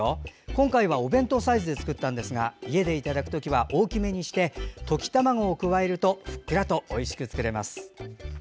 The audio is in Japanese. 今回はお弁当サイズで作ったんですが家でいただく時は大きめにして溶き卵を加えるとふっくらとおいしく作れます。